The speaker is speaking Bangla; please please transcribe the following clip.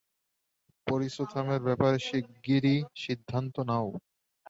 পরিসুথামের ব্যাপারে শিগগিরই সিদ্ধান্ত নাও।